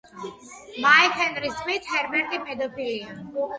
მაიკ ჰენრის თქმით, ჰერბერტი პედოფილია.